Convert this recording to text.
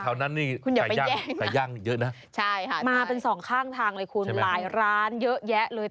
อ้าวไม่ใช่คุณสมศักดิ์เหรอ